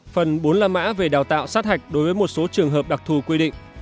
phần bốn là mã về đào tạo sát hạch đối với một số trường hợp đặc thù quy định